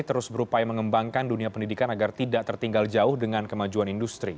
terus berupaya mengembangkan dunia pendidikan agar tidak tertinggal jauh dengan kemajuan industri